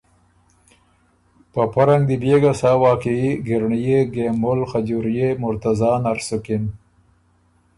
په پۀ رنګ دی بئے ګه سا واقعيي ګنرړيې، ګېمُل، خجُوريې، مُرتضیٰ نر سُکِن۔